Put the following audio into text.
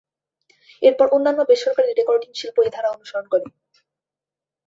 এরপর অন্যান্য বেসরকারি রেকর্ডিং শিল্প এই ধারা অনুসরণ করে।